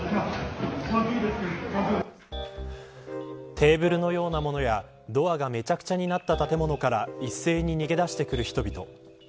テーブルのようなものやドアがめちゃくちゃになった建物から一斉に逃げ出してくる人々。